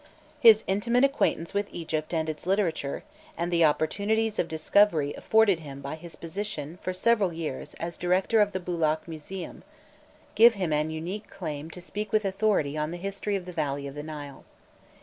His intimate acquaintance with Egypt and its literature, and the opportunities of discovery afforded him by his position for several years as director of the Bulaq Museum, give him an unique claim to speak with authority on the history of the valley of the Nile.